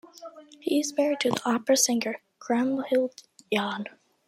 He is married to the opera singer Kriemhild Jahn.